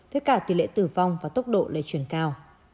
với cả tỷ lệ tử vong và tốc độ lệ truyền cao